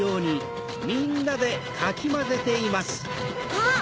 あっ！